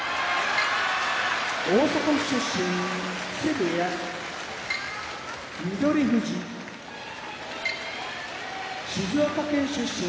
大阪府出身木瀬部屋翠富士静岡県出身